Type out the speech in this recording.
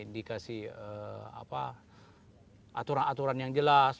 dikasih aturan aturan yang jelas